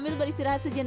ini ciri sejauh